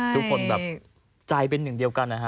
ทุกคนแบบใจเป็นหนึ่งเดียวกันนะฮะ